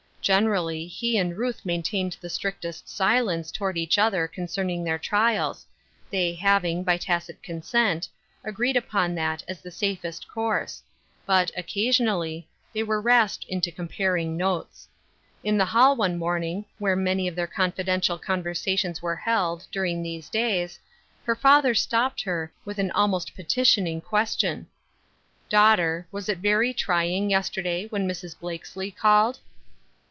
Generally, he and Ruth maintained the strictest silence toward each other concerning their trials, they having, by tacit consent, agreed upon that as the safest course v^ut, occasion ally, they were rasped into comparing notes. In the hall one morning, where many of their con fidential ccmversations were held, during thes^ A Newly Shaped Otobb, 169 days, her father stopped her, with an almoj^t petitioning question :" Daughter, was it very trying, yesterday, when Mrs. Blakesley called